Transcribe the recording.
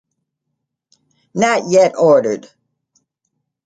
Not yet ordered.